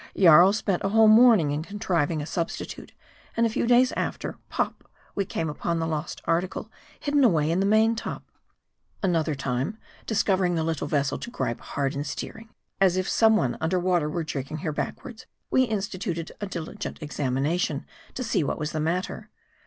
Jarl spent a whole morning in contriving a substitute ; and a few days after, pop, we came upon the lost article hidden away in the main top. Another time, discovering the little vessel to " gripe" hard in steering, as if some one under water were jerking her backward, we instituted a diligent examination, to see what was the matter.